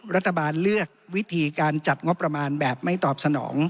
รัฐบาลเลือกวิธีการจัดงบประมาณแบบไม่ตอบสนอง